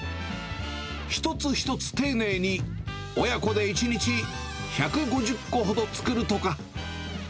一つ一つ丁寧に、親子で１日１５０個ほど作るとか。